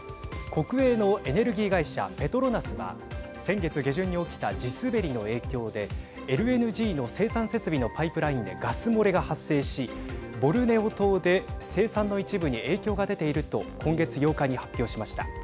国営のエネルギー会社ペトロナスは先月下旬に起きた地滑りの影響でＬＮＧの生産設備のパイプラインでガス漏れが発生しボルネオ島で生産の一部に影響が出ていると今月８日に発表しました。